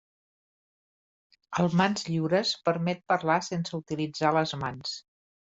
El mans lliures permet parlar sense utilitzar les mans.